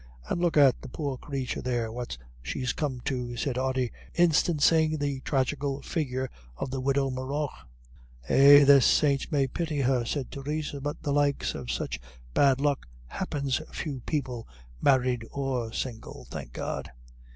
"And look at the poor crathur there, what she's come to," said Ody, instancing the tragical figure of the widow Morrough. "Ah, the saints may pity her," said Theresa. "But the likes of such bad luck happins few people married or single, thank God."